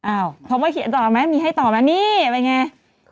อ้าวพร้อมไว้เขียนต่อมั้ยมีให้ต่อมั้ยนี่บ้ายังไง